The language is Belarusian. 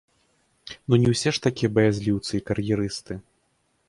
Ну, не ўсе ж такія баязліўцы і кар'ерысты.